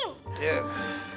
aduh aduh aduh